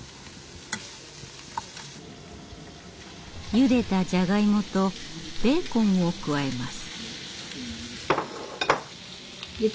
ゆでたじゃがいもとベーコンを加えます。